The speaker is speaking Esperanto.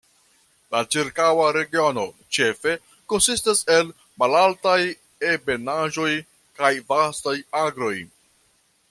La ĉirkaŭa regiono ĉefe konsistas el malaltaj ebenaĵoj kaj vastaj agroj.